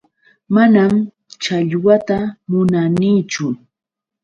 Manam challwata munanichu.